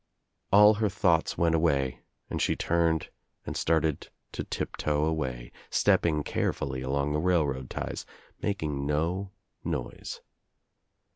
All her thoughts went away and she turned and started to tiptoe away, stepping carefully along the railroad ties, making no noise.